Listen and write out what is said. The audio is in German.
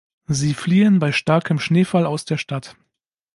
Sie fliehen bei starkem Schneefall aus der Stadt.